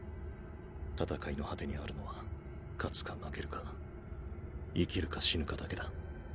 戦いの果てにあるのは勝つか負けるか生きるか死ぬかだけだ。